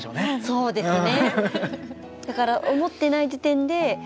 そうですね。